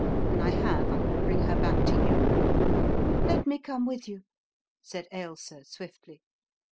When I have I will bring her back to you." "Let me come with you," said Ailsa iwiftly.